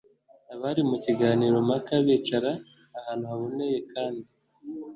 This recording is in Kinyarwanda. Abari mu kiganiro mpaka bicara ahantu haboneye kandi